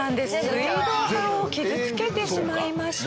水道管を傷つけてしまいました。